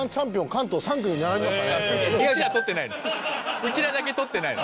うちらはとってないの。